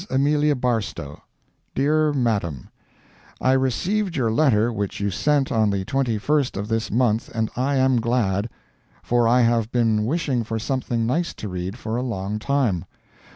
AMELIA BARSTOW—Dear Madame:—I received your letter which you sent on the 21st of this month and I am glad, for I have been wishing for something nice to read for a long time.